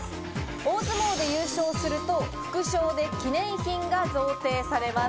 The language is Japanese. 大相撲で優勝すると副賞で記念品が贈呈されます。